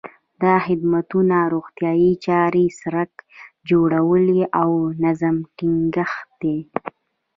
دا خدمتونه روغتیايي چارې، سړک جوړونه او د نظم ټینګښت دي.